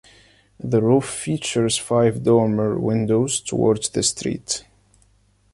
The roof features five dormer windows towards the street.